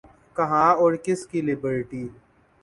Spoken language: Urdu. کہاں اور کس کی لبرٹی؟